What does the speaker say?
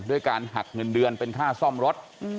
ด้วยการหักเงินเดือนเป็นค่าซ่อมรถ